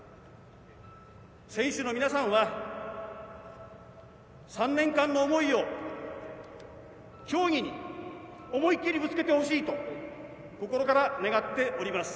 選手の皆さんは３年間の思いを競技に思い切りぶつけてほしいと心から願っております。